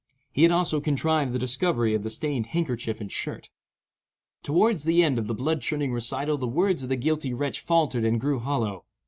He had also contrived the discovery of the stained handkerchief and shirt. Toward the end of the blood chilling recital the words of the guilty wretch faltered and grew hollow.